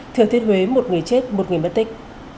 thừa thiên huế một người chết một người mất tích